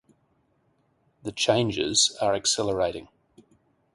The changes are accelerating.